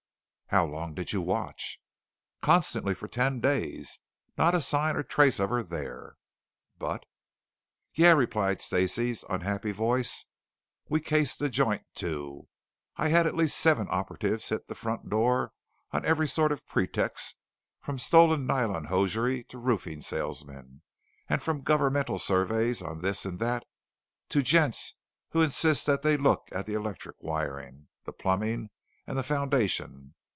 "How long did you watch?" "Constantly for ten days. Not a sign or a trace of her there." "But " "Yeah," replied Stacey's unhappy voice, "we cased that joint too. I've had at least seven operatives hit that front door, on every sort of pretext from stolen nylon hosiery to roofing salesmen, and from governmental surveys on this and that to gents who insist that they look at the electric wiring, the plumbing, and the foundation.